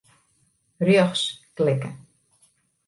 Rjochts klikke.